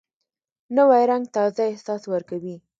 نوی رنګ تازه احساس ورکوي